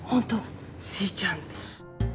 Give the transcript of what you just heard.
untuk si cantik